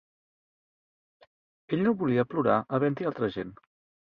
Ell no volia plorar havent-hi altra gent.